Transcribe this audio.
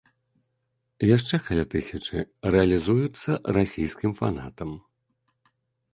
Яшчэ каля тысячы рэалізуюцца расійскім фанатам.